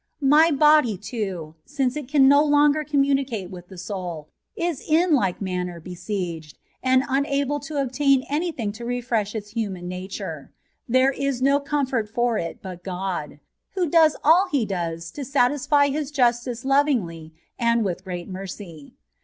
My body, too, since it can no longer com mnnicate with the soni, is in like manner besieged, and unable to obtain any thing to refresh its hu man nature; there is no comfort for it but God, who does ali He does to satisfy His justice lovingly and with great mercy.